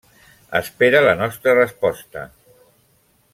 Espera la nostra resposta.